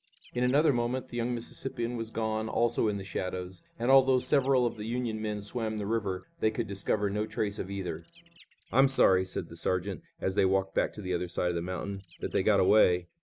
In another moment the young Mississippian was gone also in the shadows, and although several of the Union men swam the river they could discover no trace of either. "I'm sorry," said the sergeant as they walked back to the other side of the mountain, "that they got away."